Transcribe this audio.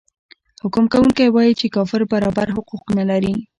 حکم کوونکی وايي چې کافر برابر حقوق نلري.